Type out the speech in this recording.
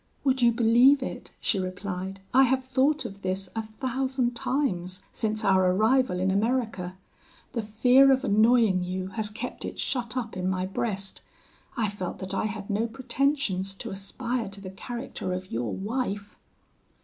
'Would you believe it,' she replied, 'I have thought of this a thousand times since our arrival in America? The fear of annoying you has kept it shut up in my breast. I felt that I had no pretensions to aspire to the character of your wife.'